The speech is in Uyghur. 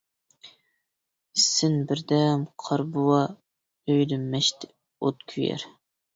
ئىسسىن بىردەم قار بوۋا، ئۆيدە مەشتە ئوت كۆيەر.